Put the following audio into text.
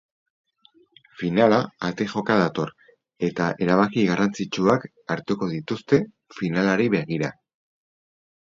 Finala ate joka dator eta erabaki garrantzitsuak hartuko dituzte finalari begira.